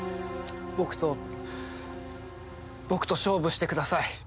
僕と僕と勝負してください。